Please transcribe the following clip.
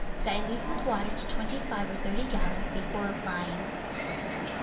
Dilute with water to twenty five or thirty gallons before applying.